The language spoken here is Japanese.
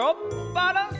バランス！